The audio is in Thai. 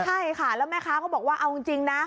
ใช่ค่ะแล้วแม่ค้าก็บอกว่าเอาจริงนะ